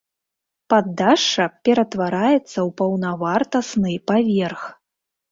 Паддашша ператвараецца ў паўнавартасны паверх.